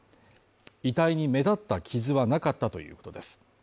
遺体に目立った傷はなかったということです。